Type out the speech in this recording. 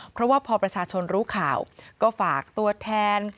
เพราะว่าพอประชาชนรู้ข่าวก็ฝากตัวแทน